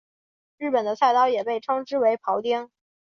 日本的菜刀也被称之为庖丁。